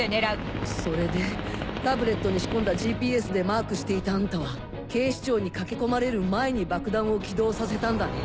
それでタブレットに仕込んだＧＰＳでマークしていたあんたは警視庁に駆け込まれる前に爆弾を起動させたんだね。